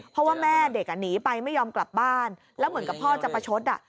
เพราะว่าแม่เด็กหนีไปไม่ยอมกลับบ้านแล้วเหมือนกับพ่อจะประชด